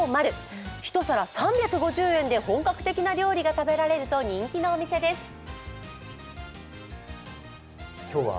一皿３５０円で本格的な料理が食べられると人気のお店です。